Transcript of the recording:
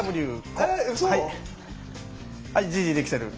えっうそ⁉はいじいじできてる。